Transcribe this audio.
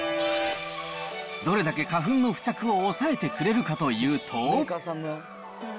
どれだけ花粉の付着を抑えてくれるかというと。